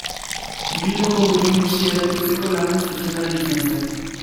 Bilboko Burdin Hesia eraikitzeko lanen zuzendari izan zen.